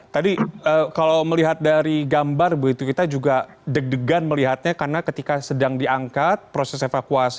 tadi kalau melihat dari gambar begitu kita juga deg degan melihatnya karena ketika sedang diangkat proses evakuasi